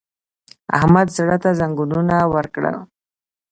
احمد زړه ته زنګنونه ورکړل!